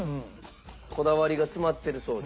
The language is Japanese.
こだわりが詰まってるそうで。